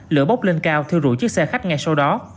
lửa bốc lên cao thiêu rụi chiếc xe khách ngay sau đó